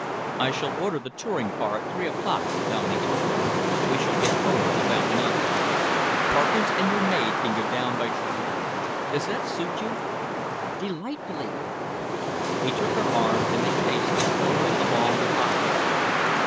"I shall order the touring car at three o'clock," Dominey told her. "We shall get home about nine. Parkins and your maid can go down by train. Does that suit you?" "Delightfully!" He took her arm and they paced slowly along the hot walk.